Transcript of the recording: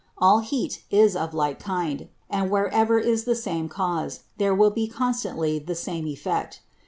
All Heat is of like kind; and where ever is the same Cause, there will be constantly the same Effect.